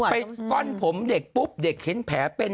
ก้อนผมเด็กปุ๊บเด็กเห็นแผลเป็น